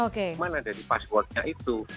kemana ada di passwordnya itu